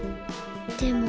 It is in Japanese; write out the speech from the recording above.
でも。